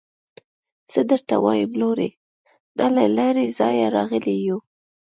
څه درته ووايم لورې نه له لرې ځايه راغلي يو.